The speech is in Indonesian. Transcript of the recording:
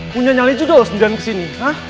punya nyali judul sedang di sini